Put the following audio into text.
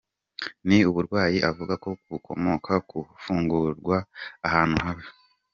Ni uburwayi avuga ko bukomoka ku gufungirwa ahantu habi.